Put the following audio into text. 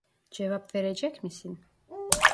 Cevap verecek misin